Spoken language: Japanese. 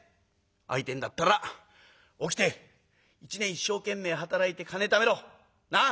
「会いてえんだったら起きて一年一生懸命働いて金ためろ。なあ？